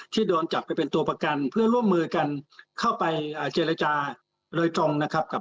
โดนจับไปเป็นตัวประกันเพื่อร่วมมือกันเข้าไปเจรจาโดยตรงนะครับกับ